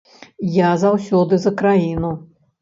Я заўсёды за краіну.